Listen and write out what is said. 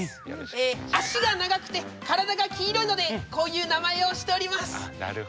脚が長くて体が黄色いのでこういう名前をしております。